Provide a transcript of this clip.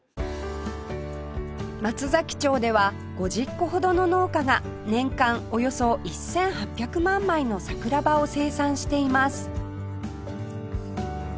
松崎町では５０戸ほどの農家が年間およそ１８００万枚の桜葉を生産しています